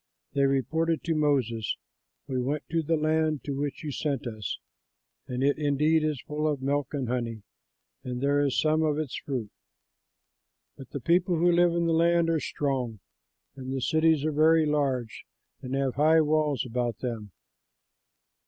They reported to Moses, "We went to the land to which you sent us; and it indeed is full of milk and honey; and this is some of its fruit. But the people who live in the land are strong, and the cities are very large and have high walls about them."